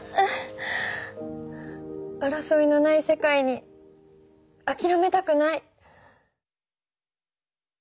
争いのない世界にあきらめたくない。